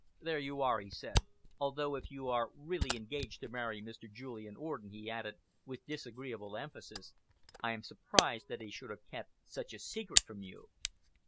"There you are," he said, "although if you are really engaged to marry Mr. Julian Orden," he added, with disagreeable emphasis, "I am surprised that he should have kept such a secret from you."